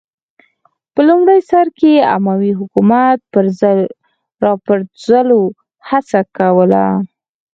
په لومړي سر کې اموي حکومت راپرځولو هڅه کوله